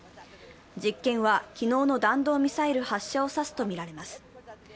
実験は昨日の弾道ミサイル発射を差すとみられます。